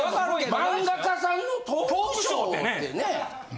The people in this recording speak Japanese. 漫画家さんのトークショーってね。